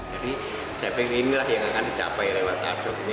jadi seping ini yang akan dicapai lewat arjok ini